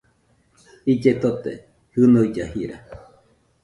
Ille tote, jɨnuille jira